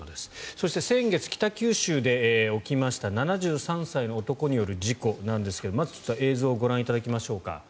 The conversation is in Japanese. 先月、北九州で起きました７３歳の男による事故ですがまずこちら映像をご覧いただきましょうか。